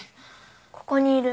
ここにいる。